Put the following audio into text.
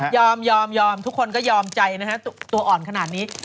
ยอมยอมทุกคนก็ยอมใจนะฮะตัวอ่อนขนาดนี้